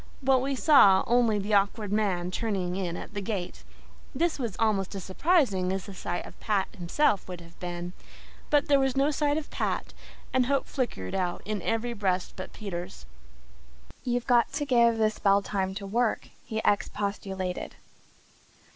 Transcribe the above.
But we saw only the Awkward Man turning in at the gate. This was almost as surprising as the sight of Pat himself would have been; but there was no sign of Pat and hope flickered out in every breast but Peter's. "You've got to give the spell time to work," he expostulated.